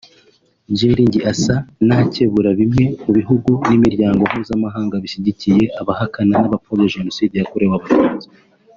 Gelling asa n’akebura bimwe mu bihugu n’imiryango mpuzamahanga bigishyigikiye abahakana n’abapfobya Jenoside yakorewe Abatutsi